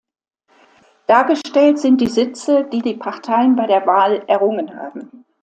Dargestellt sind die Sitze, die die Parteien bei der Wahl errungen haben.